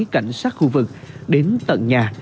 cảnh sát khu vực đến tận nhà